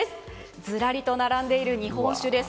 ずらりと並んでいる日本酒です。